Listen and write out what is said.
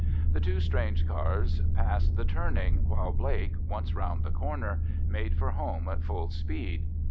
The two strange cars passed the turning, while Blake, once round the corner, made for home at full speed.